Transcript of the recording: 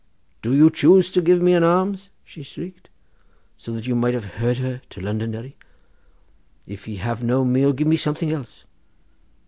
'Do you choose to give me an alms?' she shrieked, so that you might have heard her to Londonderry. 'If ye have no male give me something else.